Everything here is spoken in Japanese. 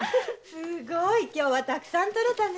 すごい！今日はたくさん採れたね。